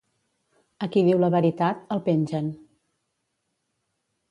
A qui diu la veritat, el pengen.